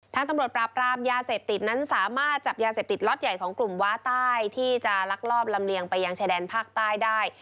ตำรวจปราบปรามยาเสพติดนั้นสามารถจับยาเสพติดล็อตใหญ่ของกลุ่มว้าใต้ที่จะลักลอบลำเลียงไปยังชายแดนภาคใต้ได้